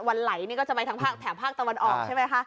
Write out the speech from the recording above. วันไหลก็จะไปแถมภาคตะวันออกใช่ไหมครับ